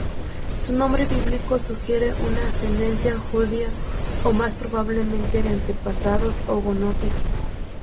Su nombre bíblico sugiere una ascendencia judía o, más probablemente, de antepasados hugonotes.